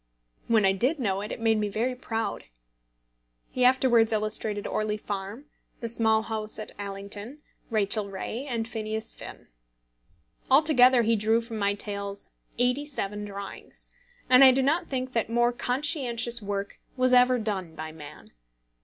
When I did know it, it made me very proud. He afterwards illustrated Orley Farm, The Small House at Allington, Rachel Ray, and Phineas Finn. Altogether he drew from my tales eighty seven drawings, and I do not think that more conscientious work was ever done by man.